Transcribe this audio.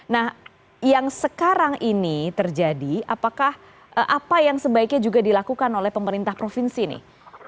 nah yang sekarang ini terjadi apakah apa yang sebaiknya juga dilakukan oleh pemerintah provinsi nih